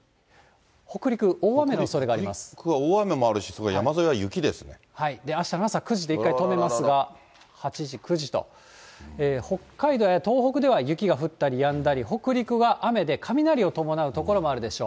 北陸、大雨のおそれがあ北陸は大雨もあるし、すごいあしたの朝９時で止めますが、８時、９時と、北海道や東北では雪が降ったりやんだり、北陸は雨で雷を伴う所もあるでしょう。